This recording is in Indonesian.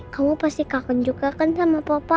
kamu pasti kangen juga kan sama papa